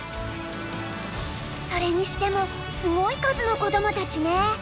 それにしてもすごい数のこどもたちね。